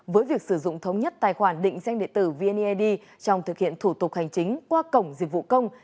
với việc sử dụng thống nhất tài khoản định danh địa tử vneid trong thực hiện thủ tục hành chính qua cổng dịch vụ công